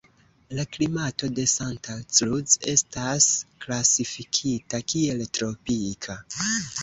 La klimato de Santa Cruz estas klasifikita kiel tropika.